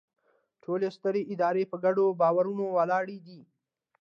ټولې سترې ادارې په ګډو باورونو ولاړې دي.